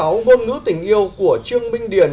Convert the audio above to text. ngôn ngữ tình yêu của trương minh điền